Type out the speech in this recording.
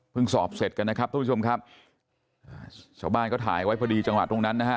สอบเสร็จกันนะครับทุกผู้ชมครับชาวบ้านก็ถ่ายไว้พอดีจังหวะตรงนั้นนะฮะ